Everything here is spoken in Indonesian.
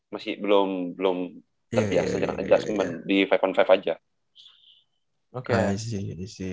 masih belum terbiasa dengan adjustment di lima on lima aja